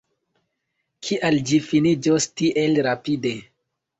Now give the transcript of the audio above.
Kial ĝi finiĝos tiel rapide?